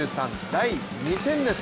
第２戦です。